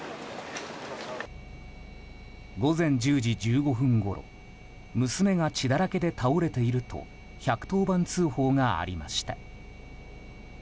午前１０時１５分ごろ娘が血だらけで倒れていると１１０番通報がありました。